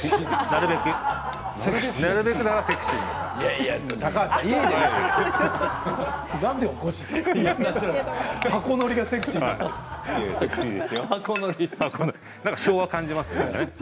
なんか昭和を感じます。